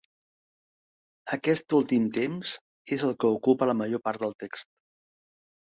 Aquest últim temps és el que ocupa la major part del text.